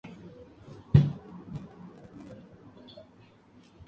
Su rango cronoestratigráfico abarcaba el Silúrico.